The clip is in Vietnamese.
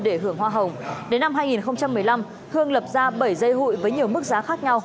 để hưởng hoa hồng đến năm hai nghìn một mươi năm hương lập ra bảy dây hụi với nhiều mức giá khác nhau